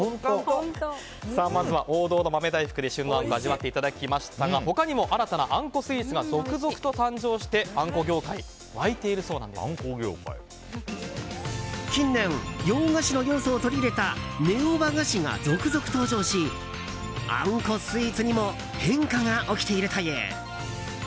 まずは王道の豆大福で旬のあんこを味わっていただきましたが他にも新たなあんこスイーツが続々と誕生してあんこ業界近年洋菓子の要素を取り入れたネオ和菓子が続々登場しあんこスイーツにも変化が起きているという。